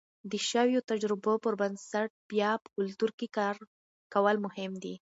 د شویو تجربو پر بنسټ بیا په کلتور کې کار کول مهم دي.